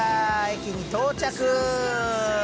駅に到着。